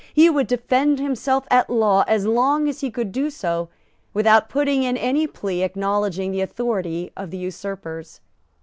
He would defend himself at law as long as he could do so without putting in any plea acknowledging the authority of the usurpers.